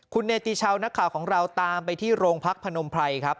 คุณเนติชาวนักข่าวของเราตามไปที่โรงพักพนมไพรครับ